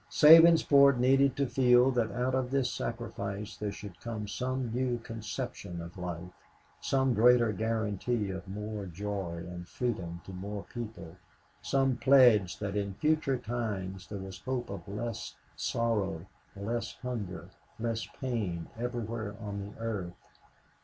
Sabinsport needed to feel that out of this sacrifice there should come some new conception of life, some greater guarantee of more joy and freedom to more people, some pledge that in future times there was hope of less sorrow, less hunger, less pain everywhere on the earth.